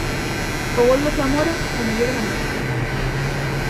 O gol do Zamora o mellor da noite.